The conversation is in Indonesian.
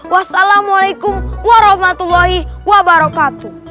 wassalamualaikum warahmatullahi wabarakatuh